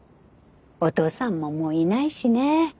お父さんももういないしね。